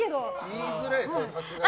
言いづらいでしょ、さすがに。